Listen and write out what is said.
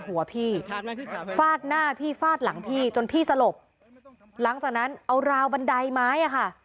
หัวพี่ฟาดหน้าพี่ฟาดหลังพี่จนพี่สลบหลังจากนั้นเอาราวบันไดไม้อ่ะค่ะ